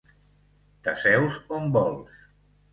T'asseus on vols.